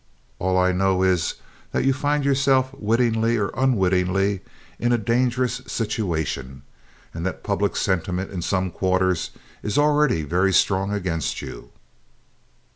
All I know is that you find yourself wittingly or unwittingly in a dangerous situation, and that public sentiment in some quarters is already very strong against you.